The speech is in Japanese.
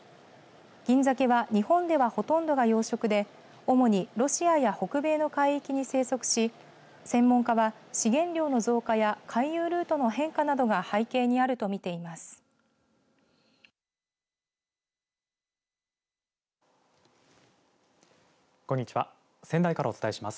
ギンザケは日本ではほとんどが養殖で主にロシアや北米の海域に生息し専門家は、資源量の増加や回遊ルートの変化などが背景にあると見ています。